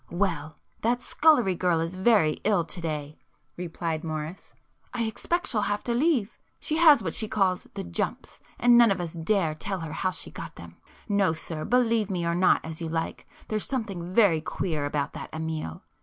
"Well that scullery girl is very ill to day,"—replied Morris; "I expect she'll have to leave. She has what she calls the 'jumps' and none of us dare tell her how she got them. No sir, believe me or not as you like, there's something very queer about that Amiel.